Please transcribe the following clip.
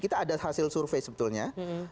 kita ada hasil survei sebetulnya